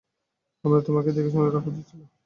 আমারই তোমাকে দেখে শুনে রাখা উচিত ছিল।